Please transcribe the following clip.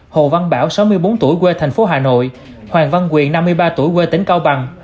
hồ văn bảo sáu mươi bốn tuổi quê thành phố hà nội hoàng văn quyền năm mươi ba tuổi quê tỉnh cao bằng